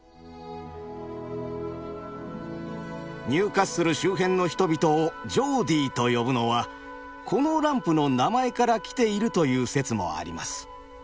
ニューカッスル周辺の人々を「ジョーディー」と呼ぶのはこのランプの名前から来ているという説もあります。